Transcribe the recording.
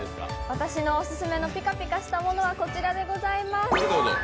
私のオススメのピカピカしたものはこちらでございます。